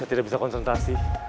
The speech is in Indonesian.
saya tidak bisa konsentrasi